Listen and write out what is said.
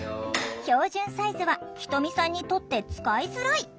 標準サイズはひとみさんにとって使いづらい。